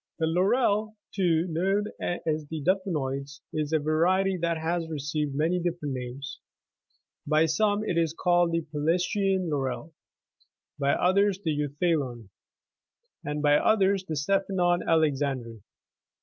The laurel, too, known as the daphnoides,78 is a variety that has received many different names : by some it is called the Pelasgian laurel, by others the euthalon, and by others the stephanon Alexandri.